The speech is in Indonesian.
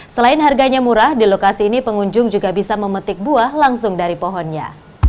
selain harganya murah di lokasi ini pengunjung juga bisa memetik buah langsung dari pohonnya